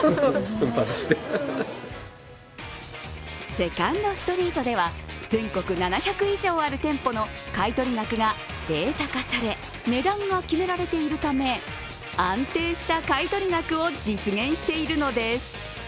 セカンドストリートでは全国７００以上ある店舗の買い取り額がデータ化され、値段が決められているため、安定した買い取り額を実現しているのです。